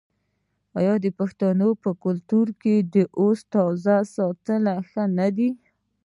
آیا د پښتنو په کلتور کې د اودس تازه ساتل ښه نه دي؟